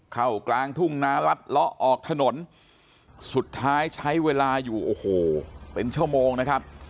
กลางทุ่งนารัดเลาะออกถนนสุดท้ายใช้เวลาอยู่โอ้โหเป็นชั่วโมงนะครับ